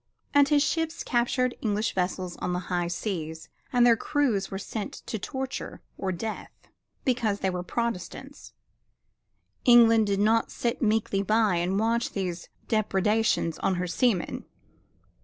And his ships captured English vessels on the high seas and their crews were sent to torture or death because they were Protestants. England did not sit meekly by and watch these depredations on her seamen.